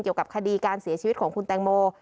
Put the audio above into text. เกี่ยวกับคดีการเสียชีวิตของคุณแตงโม